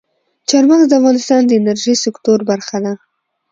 چار مغز د افغانستان د انرژۍ سکتور برخه ده.